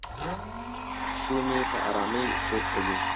پیشو مې په آرامۍ خوب کوي.